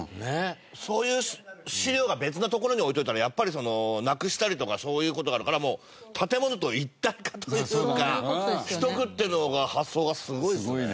そういう資料が別の所に置いといたらやっぱりなくしたりとかそういう事があるからもう建物と一体化というかしておくっていうのが発想がすごいですね。